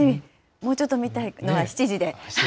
もうちょっと見たいのは７時で。